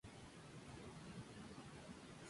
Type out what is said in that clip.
El piso más alto es dedicado a exposiciones.